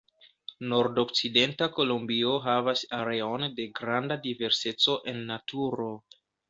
Nordokcidenta Kolombio havas areon de granda diverseco en naturo.